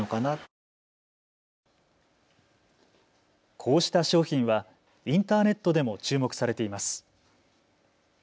こうした商品はインターネットでも注目されています。